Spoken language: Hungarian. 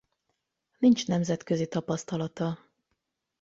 Nincs nemzetközi tapasztalata.